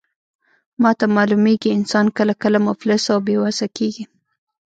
ماته معلومیږي، انسان کله کله مفلس او بې وسه کیږي.